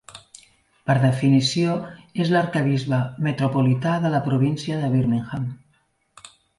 Per definició, és l'arquebisbe metropolità de la província de Birmingham.